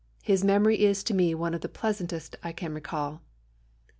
His memory is to me one of the pleasantest I can recall."